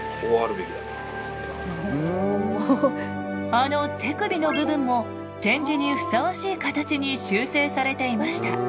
あの手首の部分も展示にふさわしい形に修正されていました。